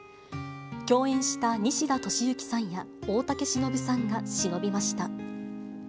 共演した西田敏行さんや大竹しのぶさんがしのびました。